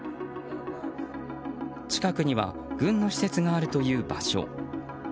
近くには軍の施設があるという場所。